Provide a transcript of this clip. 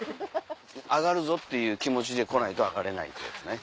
上がるぞっていう気持ちで来ないと上がれないんだよね。